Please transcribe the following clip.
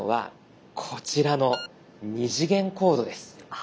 あ。